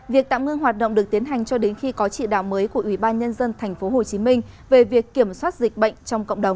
việc tạm ngưng hoạt động được tiến hành cho đến khi có chỉ đạo mới của ủy ban nhân dân tp hcm về việc kiểm soát dịch bệnh trong cộng đồng